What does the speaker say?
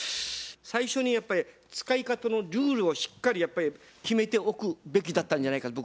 最初にやっぱり使い方のルールをしっかりやっぱり決めておくべきだったんじゃないかと僕は思いますよ。